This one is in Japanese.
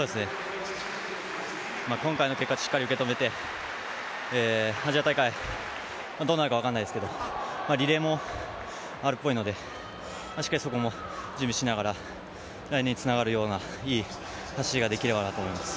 今回の結果しっかりと受け止めて、アジア大会、どうなるか分かんないですけどリレーもあるっぽいのでしっかりそこも準備しながら、来年につながるようないい走りができればなと思います。